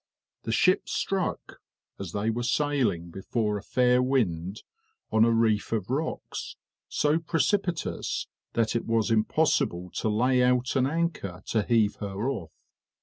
The ship struck, as they were sailing before a fair wind, on a reef of rocks, so precipitous that it was impossible to lay out an anchor to heave her off.